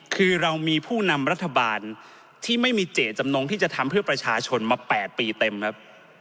คือเรามีผู้นำรัฐบาลที่ไม่มีเจตจำนงที่จะทำเพื่อประชาชนมา๘ปีเต็มครับ